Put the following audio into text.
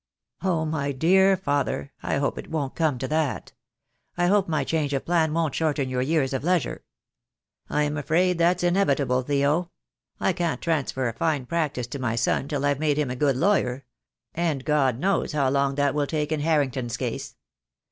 " Oh, my dear father, I hope it won't come to that. I hope my change of plan won't shorten your years of leisure." "I am afraid that's inevitable, Theo. I can't transfer a fine practice to my son till I've made him a good lawyer — and God knows how long that will take in Har rington's case.